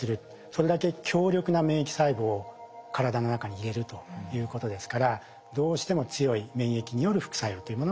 それだけ強力な免疫細胞を体の中に入れるということですからどうしても強い免疫による副作用というものは起こってきます。